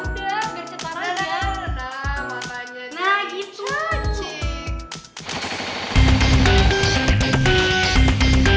biar gak jatoh gitu bulu matanya